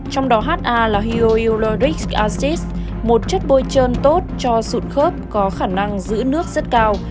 trong đó ha là hyolodrics acis một chất bôi trơn tốt cho sụn khớp có khả năng giữ nước rất cao